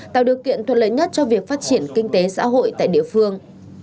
tạo điều kiện thuận lợi nhất cho việc phát triển kinh tế xã hội tại địa phương